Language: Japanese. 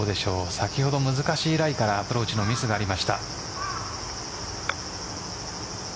先ほど難しいライからアプローチのミスがありました。